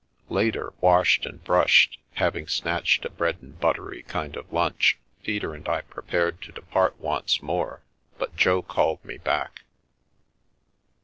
Later, washed and brushed, having snatched a bread and buttery kind of lunch, Peter and I prepared to de part once more, but Jo called me back.